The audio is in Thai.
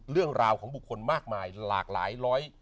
เรื่องราวของบุคคลมากมายหลากหลายร้อย